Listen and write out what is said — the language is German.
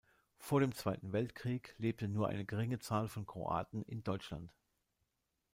Vor dem Zweiten Weltkrieg lebte nur eine geringe Zahl von Kroaten in Deutschland.